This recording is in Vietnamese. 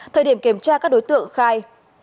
thời điểm kiểm tra các đối tượng khai